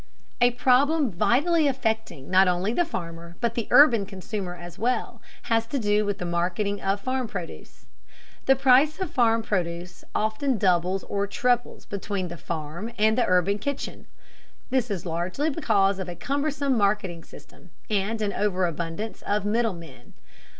A problem vitally affecting not only the farmer but the urban consumer as well, has to do with the marketing of farm produce. The price of farm produce often doubles or trebles between the farm and the urban kitchen. This is largely because of a cumbersome marketing system and an overabundance of middlemen.